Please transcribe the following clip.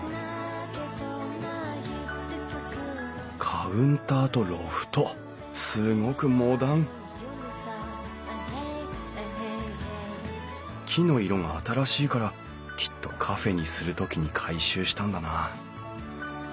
カウンターとロフトすごくモダン木の色が新しいからきっとカフェにする時に改修したんだな。